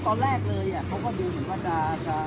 ตอนนี้กำหนังไปคุยของผู้สาวว่ามีคนละตบ